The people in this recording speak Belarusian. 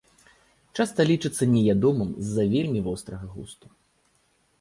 Часта лічыцца неядомым з-за вельмі вострага густу.